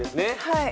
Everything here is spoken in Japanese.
はい。